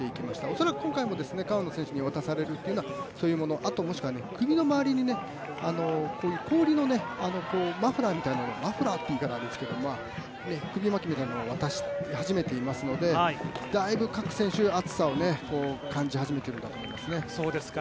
恐らく今回も川野選手に渡されるというのは、そういうものあともしくは、首の周りに氷のマフラーみたいな、首巻きみたいなものを渡していますのでだいぶ各選手、暑さを感じ始めているんだと思いますね